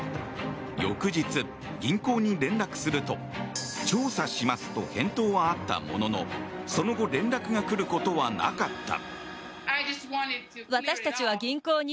翌日、銀行に連絡すると調査しますと返答はあったもののその後連絡が来ることはなかった。